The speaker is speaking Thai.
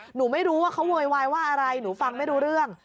หนูไม่รู้ว่าเขาโวยวายว่าอะไรหนูฟังไม่รู้เรื่อง